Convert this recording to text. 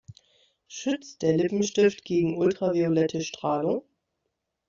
Schützt der Lippenstift gegen ultraviolette Strahlung?